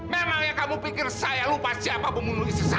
memangnya kamu pikir saya lupa siapa pembunuh isi saya